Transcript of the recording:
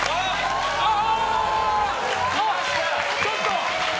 ちょっと！